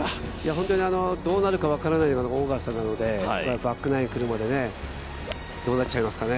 本当にどうなるか分からないのがオーガスタなので、バックナインに来るまでどうなっちゃいますかね。